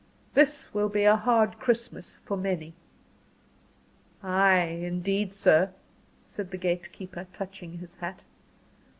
"This will be a hard Christmas for many." "Ay, indeed, sir," said the gate keeper, touching his hat.